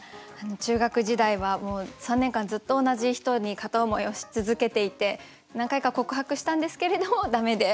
中学時代は３年間ずっと同じ人に片思いをし続けていて何回か告白したんですけれども駄目で。